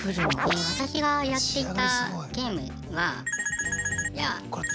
私がやっていたゲームは。